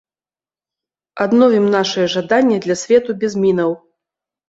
Адновім нашае жаданне для свету без мінаў.